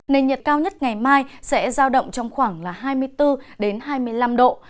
nền nhiệt cao nhất ngày mai sẽ giao động trong khoảng là hai mươi bốn hai mươi năm độ